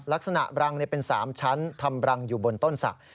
ลักษณะรังในเป็น๓ชั้นทำรังอยู่บนต้นศักดิ์